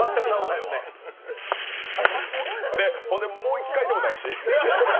ほんで、もう一回でもないし。